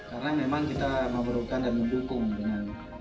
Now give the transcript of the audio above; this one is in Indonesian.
karena memang kita memerlukan dan mendukung dengan perusahaan